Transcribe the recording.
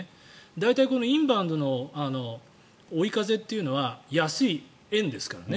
大体、インバウンドの追い風というのは安い、円ですからね。